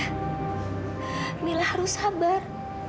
kamila harus sabar